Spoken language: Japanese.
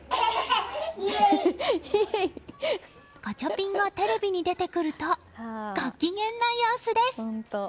ガチャピンがテレビに出てくるとご機嫌な様子です。